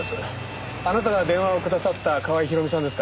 あなたが電話をくださった川合ひろみさんですか？